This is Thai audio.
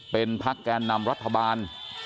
เป็นพักแกนนำรัฐบาล